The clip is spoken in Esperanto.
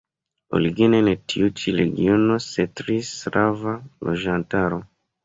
Origine en tiu ĉi regiono setlis slava loĝantaro.